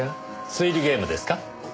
推理ゲームですか？